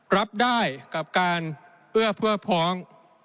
รับได้กับการเอื้อเพื่อพ้อง